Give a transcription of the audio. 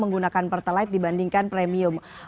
menggunakan pertalaid dibandingkan premium